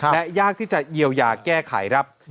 และยากที่จะเยียวยาแก้ไขครับ